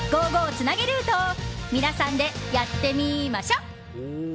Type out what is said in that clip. つなげルート」を皆さんで、やってみーましょ！